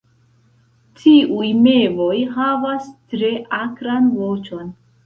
Tiuj mevoj havas tre akran voĉon.